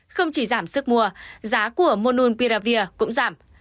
không chỉ giảm sức mua giá của mononpiravir cũng giảm